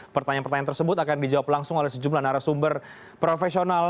pertanyaan pertanyaan tersebut akan dijawab langsung oleh sejumlah narasumber profesional